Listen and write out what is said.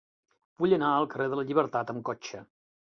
Vull anar al carrer de la Llibertat amb cotxe.